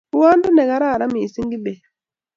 Rwounde ne kararan mising Kibet